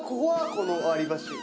この割り箸。